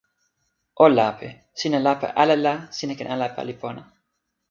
o lape. sina lape ala la sina ken ala pali pona.